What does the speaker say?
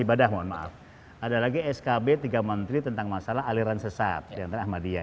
ibadah mohon maaf ada lagi skb tiga menteri tentang masalah aliran sesat diantara ahmadiyah